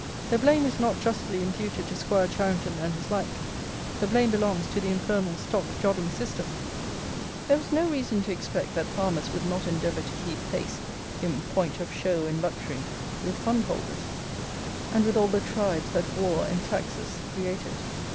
The blame is not justly imputed to 'Squire Charington and his like: the blame belongs to the infernal stock jobbing system. There was no reason to expect, that farmers would not endeavour to keep pace, in point of show and luxury, with fund holders, and with all the tribes that war and taxes created.